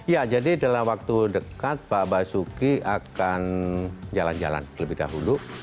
ya jadi dalam waktu dekat pak basuki akan jalan jalan lebih dahulu